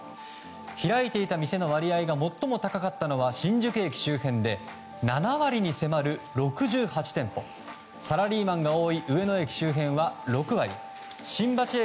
開いていた店の割合が最も高かったのは新宿駅周辺で７割に迫る６８店舗サラリーマンが多い上野駅周辺は６割新橋駅